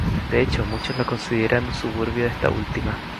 De hecho, muchos la consideran un suburbio de esta última.